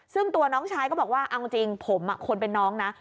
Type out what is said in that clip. ซึ่งตัวน้องชายก็บอกว่าเอาจริงผมคนเป็นน้องนะ